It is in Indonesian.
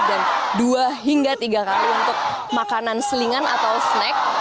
dan dua hingga tiga kali untuk makanan selingan atau snack